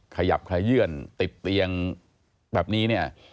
ขยับขยื่นติดเตียงแบบนี้เนี่ย